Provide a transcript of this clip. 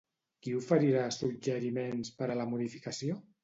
Qui oferirà suggeriments per a la modificació?